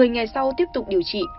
một mươi ngày sau tiếp tục điều trị